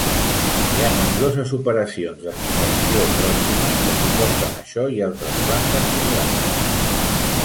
Hi ha nombroses operacions d'extracció pròximes que suporten això i altres plantes similars.